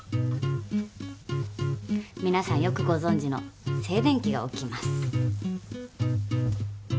皆さんよくご存じの静電気が起きます。